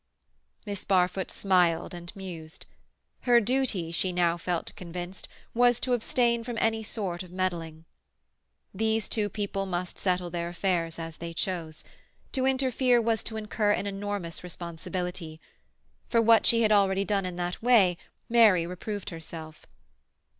Miss Barfoot smiled and mused. Her duty, she now felt convinced, was to abstain from any sort of meddling. These two people must settle their affairs as they chose. To interfere was to incur an enormous responsibility. For what she had already done in that way Mary reproved herself.